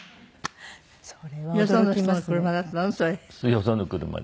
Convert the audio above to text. よその車で。